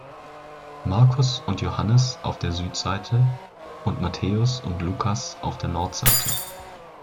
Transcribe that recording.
Markus und Johannes auf der Südseite und Matthäus und Lukas auf der Nordseite.